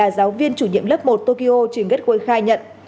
giáo viên chủ nhiệm lớp một tokyo trường getway khai nhận